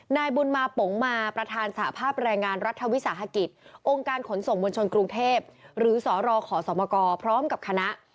นายบุญมาปงมาประธานสภาพแรงงานรัฐวิสาหกิจองค์การขนส่งมวลชนกรุงเทพหรือสรขอสมกพร้อมกับคณะ